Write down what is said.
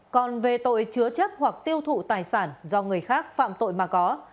còn về tội chứa chấp hoặc tiêu thụ tài sản do người khác phạm tội mà có